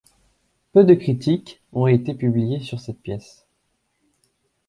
Peu de critiques ont été publiées sur cette pièce.